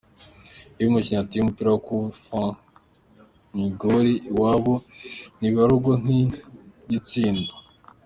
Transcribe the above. Iyo umukinyi ateye umupira wa "coup franc" mw'igoli iwabo ntibiharugwa nk'igitsindo.